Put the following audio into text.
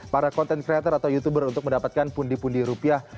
para content creator atau youtuber untuk mendapatkan pundi pundi rupiah